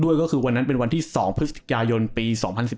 ด้วยก็คือวันนั้นเป็นวันที่๒พฤศจิกายนปี๒๐๑๙